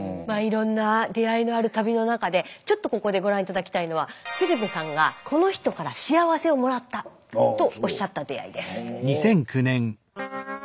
まあいろんな出会いのある旅の中でちょっとここでご覧頂きたいのは鶴瓶さんがこの人から幸せをもらったとおっしゃった出会いです。